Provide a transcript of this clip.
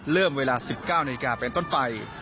เริ่มเวลา๑๙นาฬิกาเป็นต้นไป